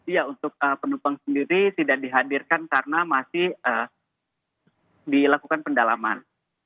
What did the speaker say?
iya untuk penumpang sendiri tidak dihadirkan karena masih dilakukan pendalaman